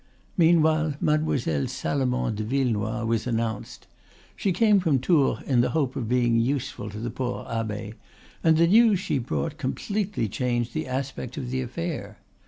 Meanwhile Mademoiselle Salomon de Villenoix was announced. She came from Tours in the hope of being useful to the poor abbe, and the news she brought completely changed the aspect of the affair.